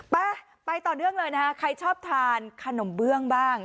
ไปไปต่อเนื่องเลยนะคะใครชอบทานขนมเบื้องบ้าง